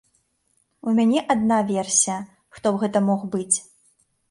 У мяне адна версія, хто б гэта мог быць.